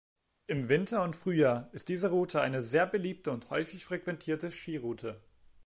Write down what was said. Im Winter und Frühjahr ist diese Route eine sehr beliebte und häufig frequentierte Skitour.